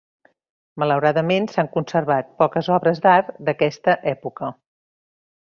Malauradament, s'han conservat poques obres d'art d'aquesta època.